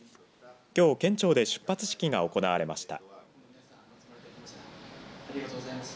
きょう県庁で出発式が行われました。